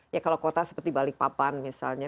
ya kalau kota seperti balikpapan misalnya